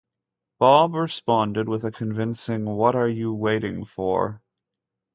Bob responded with a convincing What are you waiting for???